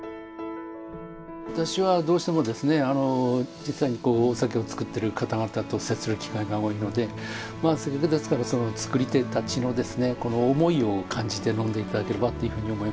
私はどうしても実際に酒を造っている方々と接する機会が多いのでですから造り手たちの思いを感じて飲んでいただければっていうふうに思いますね。